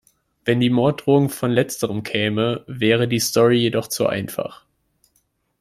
Wenn die Morddrohung von letzterem käme, wäre die Story jedoch zu einfach.